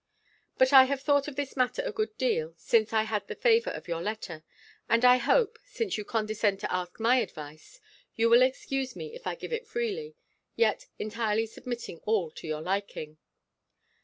But I have thought of this matter a good deal, since I had the favour of your letter; and I hope, since you condescend to ask my advice, you will excuse me, if I give it freely; yet entirely submitting all to your liking.